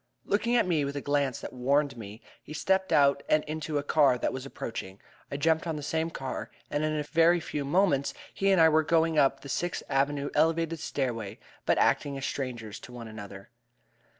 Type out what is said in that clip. Looking at me with a glance that warned me, he stepped out and into a car that was approaching. I jumped on the same car, and in a very few moments he and I were going up the Sixth Avenue Elevated stairway, but acting as strangers to one another.